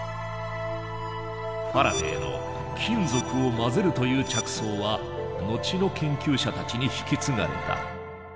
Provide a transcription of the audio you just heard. ファラデーの金属を混ぜるという着想は後の研究者たちに引き継がれた。